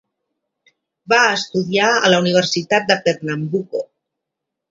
Va estudiar a la Universitat de Pernambuco.